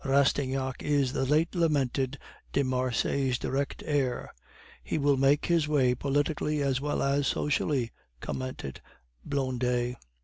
"Rastignac is the late lamented de Marsay's direct heir; he will make his way politically as well as socially," commented Blondet.